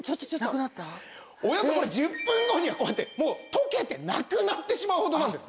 およそ１０分後にはこうやって溶けてなくなってしまうほどなんですね。